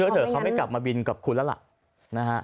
เถอะเขาไม่กลับมาบินกับคุณแล้วล่ะนะฮะ